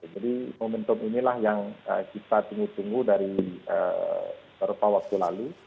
jadi momentum inilah yang kita tunggu tunggu dari beberapa waktu lalu